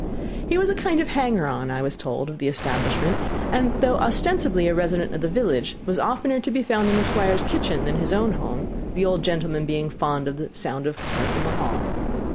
He was a kind of hanger on, I was told, of the establishment, and though ostensibly a resident of the village, was oftener to be found in the Squire's kitchen than his own home, the old gentleman being fond of the sound of "harp in hall."